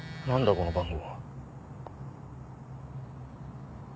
この番号。